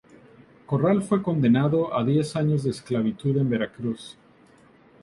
Corral fue condenado a diez años de esclavitud en Veracruz.